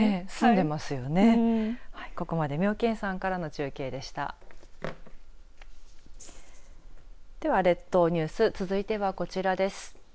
では列島ニュース続いてはこちらです。